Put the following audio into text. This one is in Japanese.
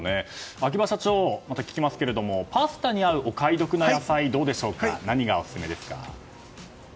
秋葉社長、また聞きますがパスタに合うお買い得な野菜何がオススメですか？